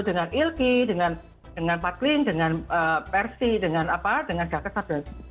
dengan ilki dengan pak kling dengan persi dengan gakak saber